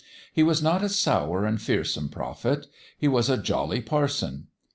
He was not a sour and fearsome prophet : he was a jolly parson.